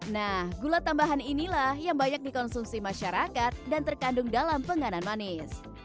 nah gula tambahan inilah yang banyak dikonsumsi masyarakat dan terkandung dalam penganan manis